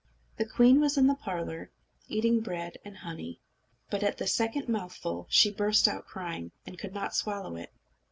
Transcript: The queen was in the parlour, eating bread and honey. But at the second mouthful she burst out crying, and could not swallow it.